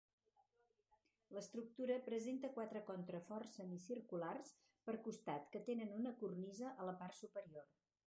L'estructura presenta quatre contraforts semicirculars per costat, que tenen una cornisa a la part superior.